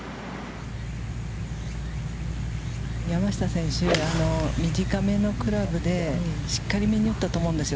山下選手、短めのクラブでしっかりめに打ったと思うんですよ。